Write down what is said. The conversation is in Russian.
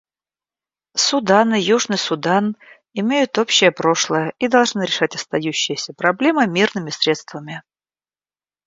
Судан и Южный Судан имеют общее прошлое и должны решать остающиеся проблемы мирными средствами.